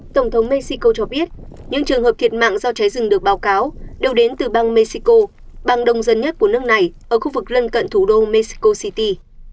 tổng thống mexico cho biết những trường hợp thiệt mạng do cháy rừng được báo cáo đều đến từ bang mexico bang đông dân nhất của nước này ở khu vực lân cận thủ đô mexico city